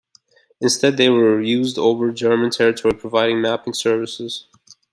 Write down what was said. Instead they were used over German territory providing mapping services.